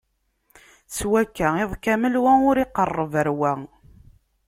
S wakka iḍ kamel, wa ur iqerreb ɣer wa.